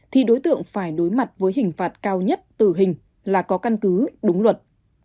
thì đối tượng phải đối mặt với hình phạt cao nhất tử hình là có căn cứ đúng luật